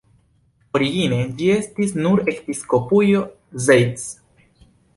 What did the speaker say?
Origine ĝi estis nur episkopujo Zeitz.